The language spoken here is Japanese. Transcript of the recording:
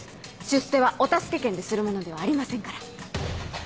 出世はお助け券でするものではありませんから。